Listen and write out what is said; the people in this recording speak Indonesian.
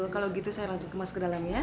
kalau gitu saya langsung masuk ke dalam ya